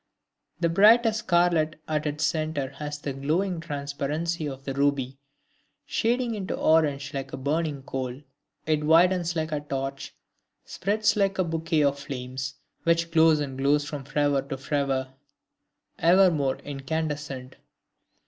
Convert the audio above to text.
The brightest scarlet at its centre has the glowing transparency of the ruby; shading into orange like a burning coal, it widens like a torch, spreads like a bouquet of flames, which glows and glows from fervor to fervor, ever more incandescent.